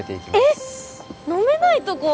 えっ飲めないとこ？